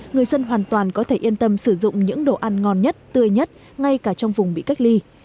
người dân hoàn toàn có thể yên tâm sử dụng những đồ ăn ngon nhất tươi nhất ngay cả trong vùng bị cách ly